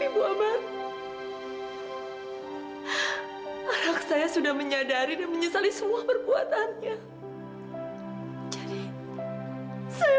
kan anak itu juga melakukan kesalahan yang sangat besar